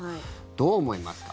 どう思いますか？